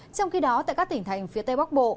trong khi đó tại các tỉnh thành phía tây bắc bộ